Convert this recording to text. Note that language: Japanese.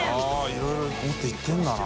いろいろもっと行ってるんだな。